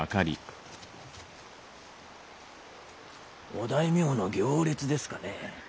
お大名の行列ですかね？